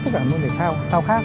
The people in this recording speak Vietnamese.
tất cả môn thể thao khác